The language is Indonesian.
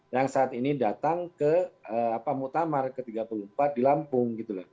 yang saat ini datang ke muktamar ke tiga puluh empat di lampung